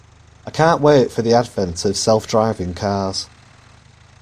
I can't wait for the advent of self driving cars.